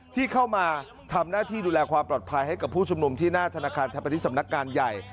ที่เข้ามาทำหน้าที่ดูแลความปลอดภัยให้กับผู้ชุมนุมที่หน้าธนาคารธรรมนิษฐสำนักงานใหญ่